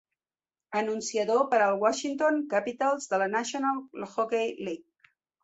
Anunciador per al Washington Capitals de la National Hockey League.